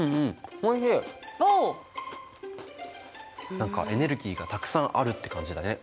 何かエネルギーがたくさんあるって感じだね。